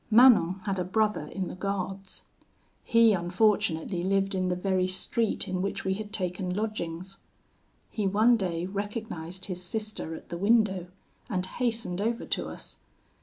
"Manon had a brother in the Guards. He unfortunately lived in the very street in which we had taken lodgings. He one day recognised his sister at the window, and hastened over to us.